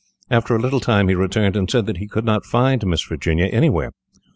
After a little time he returned and said that he could not find Miss Virginia anywhere.